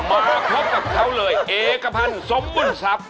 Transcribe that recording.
มาพบกับเขาเลยเอกพันธ์สมบุญทรัพย์